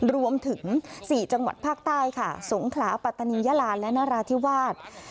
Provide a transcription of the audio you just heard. รวมถึง๔จังหวัดภาคใต้ค่ะสงขลาปัตตานียาลาและนราธิวาส